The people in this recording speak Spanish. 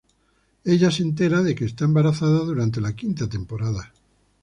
Ella se entera de que está embarazada durante la quinta temporada.